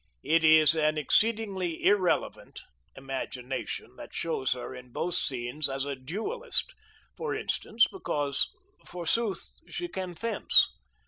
It is an exceedingly irrelevant imagination that shows her in other scenes as a duellist, for instance, because forsooth she can fence.